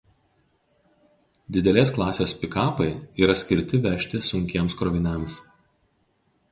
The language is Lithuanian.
Didelės klasės pikapai yra skirti vežti sunkiems kroviniams.